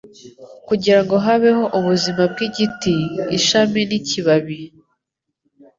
kugira ngo habeho ubuzima bw'igiti, ishami n'ikibabi.